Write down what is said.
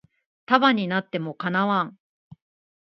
束なっても叶わん